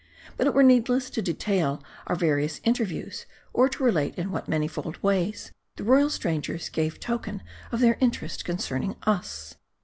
But it were needless to detail our various interviews, or relate in what manifold ways, the royal strangers gave token of their interest concerning us.